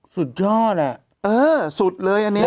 สุดชอบแหละเออสุดเลยอันเนี่ย